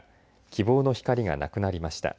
希望の光がなくなりました。